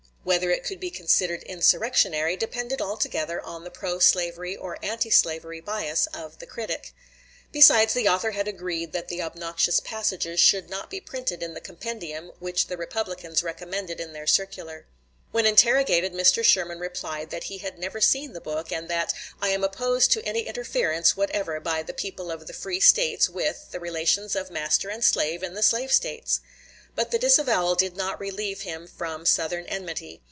Whether it could be considered "insurrectionary" depended altogether on the pro slavery or anti slavery bias of the critic. Besides, the author had agreed that the obnoxious passages should not be printed in the compendium which the Republicans recommended in their circular. When interrogated, Mr. Sherman replied that he had never seen the book, and that "I am opposed to any interference whatever by the people of the free States with, the relations of master and slave in the slave States." But the disavowal did not relieve him from Southern enmity.